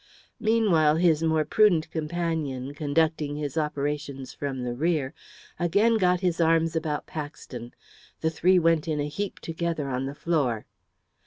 Meanwhile, his more prudent companion, conducting his operations from the rear, again got his arms about Paxton. The three went in a heap together on the floor.